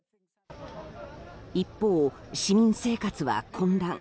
一方、市民生活は混乱。